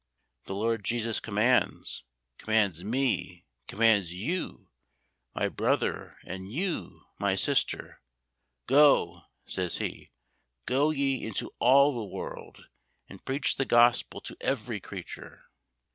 The LORD JESUS commands, commands me, commands you, my brother, and you, my sister. "Go," says He, "go ye into all the world, and preach the Gospel to every creature."